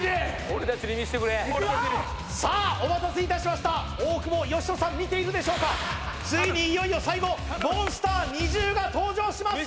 俺達に見せてくれさあお待たせいたしました大久保嘉人さん見ているでしょうかついにいよいよ最後モンスター２０が登場します！